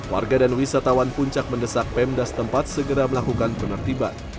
warga dan wisatawan puncak mendesak pemda setempat segera melakukan penertiban